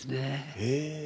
へえ。